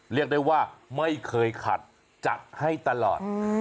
เรียกได้ว่าไม่เคยขัดจัดให้ตลอด